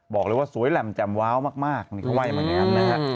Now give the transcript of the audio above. บอกเลยว่าสวยแหลมแจ่มว้าวมากนี่เขาว่าอย่างนั้นนะฮะ